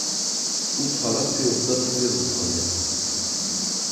او تالاپی افتاد توی رودخانه.